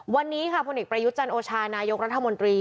วันนี้ค่ะผลเอกประยุทธ์จันโอชานายกรัฐมนตรี